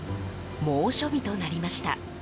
猛暑日となりました。